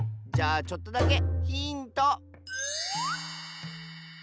じゃあちょっとだけヒント！